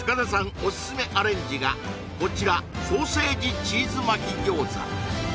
オススメアレンジがこちらソーセージチーズ巻き餃子